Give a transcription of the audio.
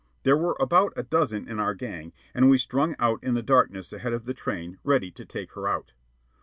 There were about a dozen in our gang, and we strung out in the darkness ahead of the train ready to take her out.